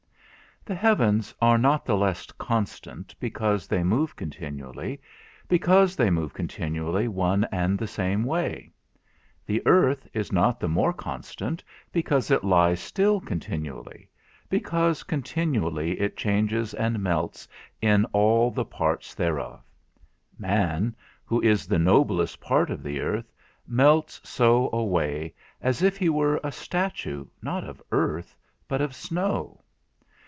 The heavens are not the less constant, because they move continually, because they move continually one and the same way. The earth is not the more constant, because it lies still continually, because continually it changes and melts in all the parts thereof. Man, who is the noblest part of the earth, melts so away, as if he were a statue, not of earth, but of snow.